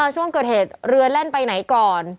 ช่วงเกิดเหตุเรือแล่นไปไหนก่อน